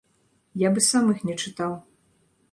Я б і сам іх не чытаў.